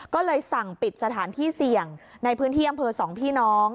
ก็เลยสั่งปิดสถานที่เสี่ยงในพื้นที่อำเภอสองพี่น้อง